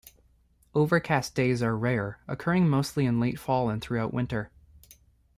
Overcast days are rare, occurring mostly in late fall and throughout winter.